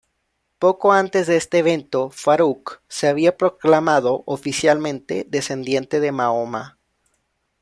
Poco antes de este evento, Faruq se había proclamado oficialmente descendiente de Mahoma.